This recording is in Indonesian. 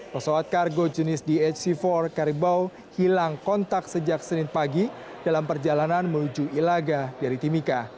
pesawat kargo jenis dhc empat karibau hilang kontak sejak senin pagi dalam perjalanan menuju ilaga dari timika